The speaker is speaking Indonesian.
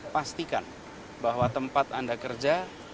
pastikan bahwa tempat anda kerja